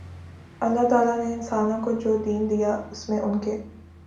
اللہ تعالی نے انسانوں کو جو دین دیا اس میں ان کے